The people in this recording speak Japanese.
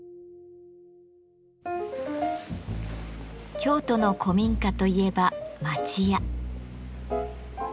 京都の古民家といえば「町家」。